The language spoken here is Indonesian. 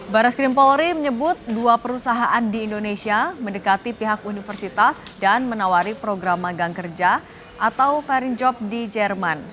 barat skrim polri menyebut dua perusahaan di indonesia mendekati pihak universitas dan menawari program magang kerja atau ferint job di jerman